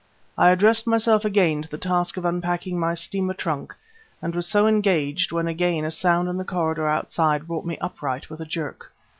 I addressed myself again to the task of unpacking my steamer trunk and was so engaged when again a sound in the corridor outside brought me upright with a jerk.